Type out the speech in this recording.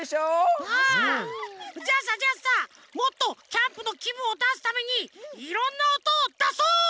じゃあさじゃあさもっとキャンプのきぶんをだすためにいろんなおとをだそう！